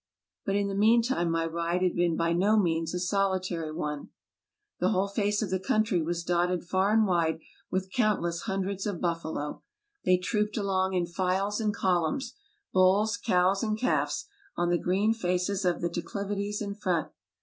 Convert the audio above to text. But in the meantime my ride had been by no means a solitary one. The whole face of the country was dotted far 80 TRAVELERS AND EXPLORERS and wide with countless hundreds of buffalo. They trooped along in files and columns — bulls, cows, and calves — on the green faces of the declivities in front.